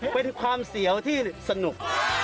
เป็นความเสียวที่สนุก